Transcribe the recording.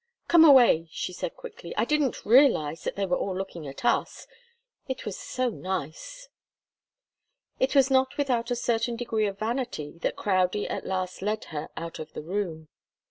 "Come away!" she said quickly. "I didn't realize that they were all looking at us it was so nice." It was not without a certain degree of vanity that Crowdie at last led her out of the room.